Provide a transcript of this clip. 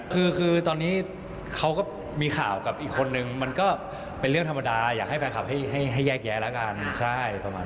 คือตอนนี้เค้าก็มีข่าวกับอีกคนนึงมันก็เป็นเรื่องธรรมดาอยากให้แฟนคลับให้แยกแย้นะคะ